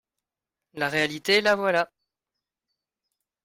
La réalité, la voilà.